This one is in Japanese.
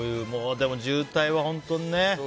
でも渋滞は本当にね。